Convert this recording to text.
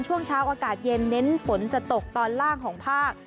ช่วงเช้าอากาศเย็นเน้นฝนจะตกตอนล่างของภาค